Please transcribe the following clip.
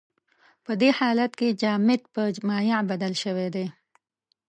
په دې حالت کې جامد په مایع بدل شوی دی.